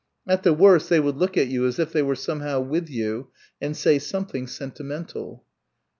At the worst they would look at you as if they were somehow with you and say something sentimental.